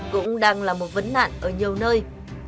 cũng đang là một vấn nạn ở nhiều nơi